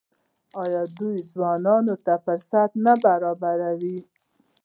آیا دوی ځوانانو ته فرصتونه نه برابروي؟